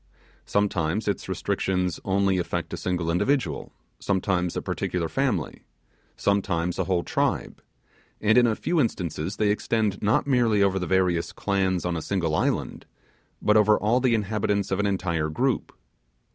Sometimes its restrictions only affect a single individual sometimes a particular family sometimes a whole tribe; and in a few instances they extend not merely over the various clans on a single island, but over all the inhabitants of an entire group.